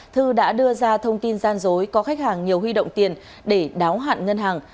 thư đã đưa ra thông tin gian dối có khách hàng nhiều huy động tiền để đáo hạn ngân hàng